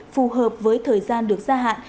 phù hợp với thời gian được gia hạn